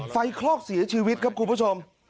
คลอกเสียชีวิตครับคุณผู้ชม